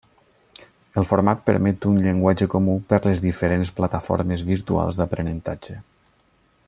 El format permet un llenguatge comú per les diferents plataformes virtuals d'aprenentatge.